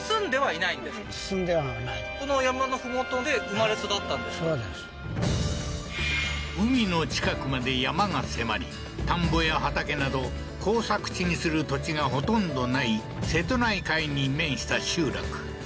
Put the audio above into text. ええーああーああーじゃあ海の近くまで山が迫り田んぼや畑など耕作地にする土地がほとんどない瀬戸内海に面した集落